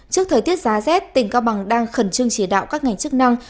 trước thời tiết giá rét tỉnh cao bằng đang khẩn trương chỉ đạo các ngành chức năng